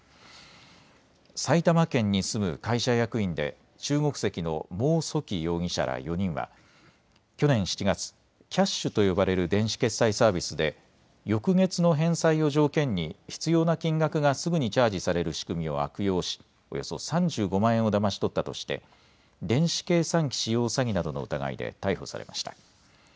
埼玉県に住む会社役員で中国籍の毛祚煕容疑者ら４人は去年７月、Ｋｙａｓｈと呼ばれる電子決済サービスで翌月の返済を条件に必要な金額がすぐにチャージされる仕組みを悪用しおよそ３５万円をだまし取ったとして電子計算機使用詐欺などの疑いで逮捕されました。